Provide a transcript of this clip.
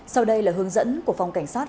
sau đây là hướng dẫn của phòng cảnh sát